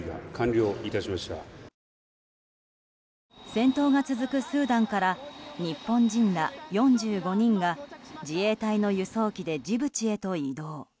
戦闘が続くスーダンから日本人ら４５人が自衛隊の輸送機でジブチへと移動。